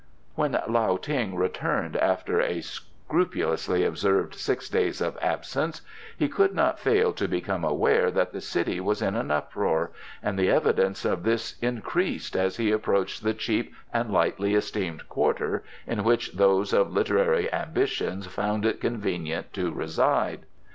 '" When Lao Ting returned after a scrupulously observed six days of absence he could not fail to become aware that the city was in an uproar, and the evidence of this increased as he approached the cheap and lightly esteemed quarter in which those of literary ambitions found it convenient to reside.